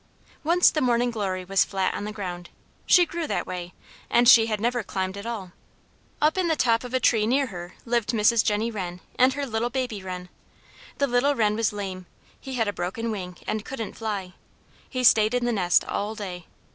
] Once the Morning Glory was flat on the ground. She grew that way, and she had never climbed at all. Up in the top of a tree near her lived Mrs Jennie Wren and her little baby Wren. The little Wren was lame; he had a broken wing and couldn't fly. He stayed in the nest all day.